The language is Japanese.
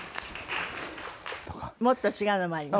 もっと違うのもあります？